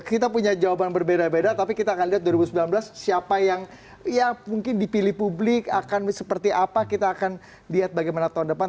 kita punya jawaban berbeda beda tapi kita akan lihat dua ribu sembilan belas siapa yang ya mungkin dipilih publik akan seperti apa kita akan lihat bagaimana tahun depan